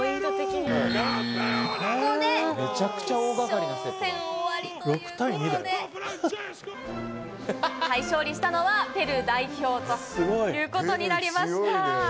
ここで決勝戦終わりということで、勝利したのはペルー代表ということになりました。